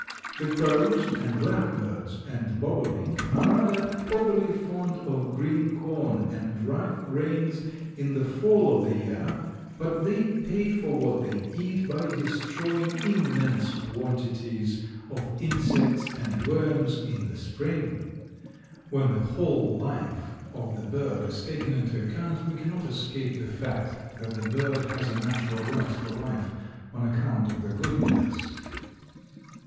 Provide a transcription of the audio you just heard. The crows and blackbirds and bobolink are rather overly fond of green corn and ripe grains in the fall of the year, but they pay for what they eat by destroying immense quantities of insects and worms in the spring. When the whole life of the bird is taken into account we cannot escape the fact that the bird has a natural right to life on account of the good he does. [Illustration: WILSON'S THRUSH. 2/3 Life size. COPYRIGHT 1900, BY A. W.